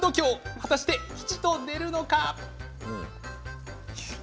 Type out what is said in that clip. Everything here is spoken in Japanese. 果たして吉と出るのか？